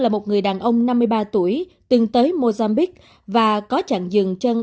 là một người đàn ông năm mươi ba tuổi từng tới mozambique và có chặn dừng chân